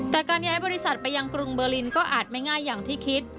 แต่การย้ายบริษัทไปยังกรุงเบอร์ลินก็อาจไม่ง่ายอย่างที่คิด